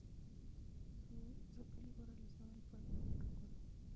Su sepelio fue realizado en el Parque del Recuerdo.